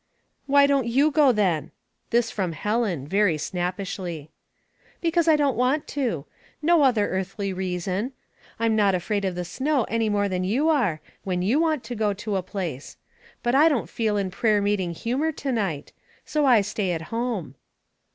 " Why don't you go, then ?" This from Helen, very snappishly. " Because I don't want to. No other earthly reason. I'm not afraid of the snow any more than you are, when you want to go to a place. Smoke and Bewilderment 65 But I don't feel in prayer meeting humor to night ; so I stay at home."